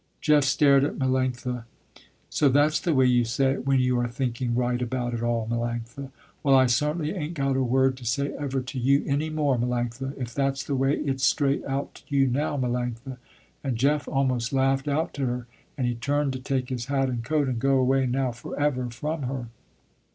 Jeff stared at Melanctha. "So that's the way you say it when you are thinking right about it all, Melanctha. Well I certainly ain't got a word to say ever to you any more, Melanctha, if that's the way its straight out to you now, Melanctha." And Jeff almost laughed out to her, and he turned to take his hat and coat, and go away now forever from her.